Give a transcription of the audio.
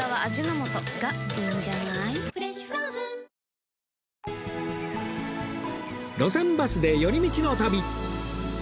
さらに『路線バスで寄り道の旅』